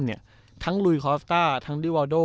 เนี่ยทั้งลุยคอสตาร์ทั้งลิวาโด